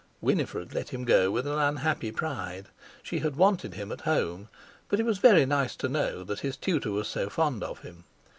Winifred let him go with an unhappy pride. She had wanted him at home, but it was very nice to know that his tutor was so fond of him.